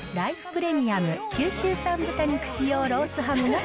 プレミアム九州産豚肉使用ロースハムです。